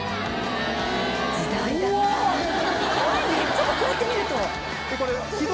ちょっとこうやって見ると・絵文字が